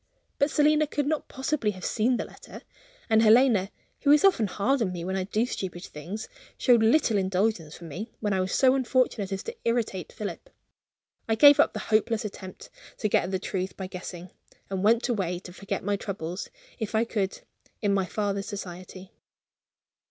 But Selina could not possibly have seen the letter and Helena (who is often hard on me when I do stupid things) showed little indulgence for me, when I was so unfortunate as to irritate Philip. I gave up the hopeless attempt to get at the truth by guessing, and went away to forget my troubles, if I could, in my father's society.